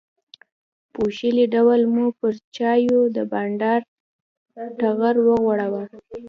بوشلې ډول مو پر چایو د بانډار ټغر وغوړاوه.